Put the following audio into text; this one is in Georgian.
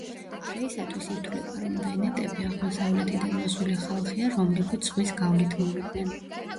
დღეისათვის ითვლება, რომ ვენეტები აღმოსავლეთიდან მოსული ხალხია, რომლებიც ზღვის გავლით მოვიდნენ.